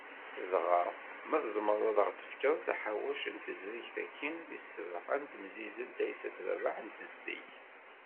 Dɣa, ma tzemmreḍ ad aɣ-tefkeḍ taḥawact n tezrigt-agi tis sebɛa n temsizzelt Aysat Rabaḥ n tezdeg?